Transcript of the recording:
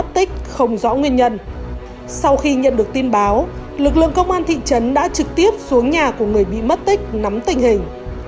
theo được tin báo lực lượng công an thị trấn đã trực tiếp xuống nhà của người bị mất tích nắm tình hình